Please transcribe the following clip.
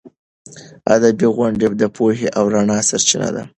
ادبي غونډې د پوهې او رڼا سرچینه ده.